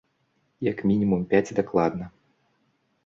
Як мінімум пяць дакладна!